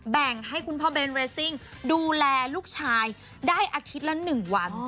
แบ่งให้คุณพ่อเบนเรซิ่งดูแลลูกชายได้อาทิตย์ละ๑วัน